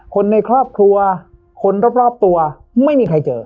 คนในครอบครัวคนรอบตัวไม่มีใครเจอ